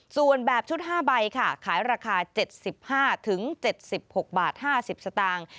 ส่วนแบบชุด๕ใบค่ะขายราคา๗๕๗๖บาท๕๐สตางค์